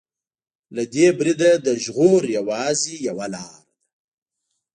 له دې برید نه د ژغور يوازې يوه لاره ده.